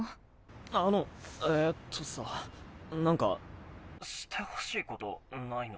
あのえっとさなんかしてほしいことないの？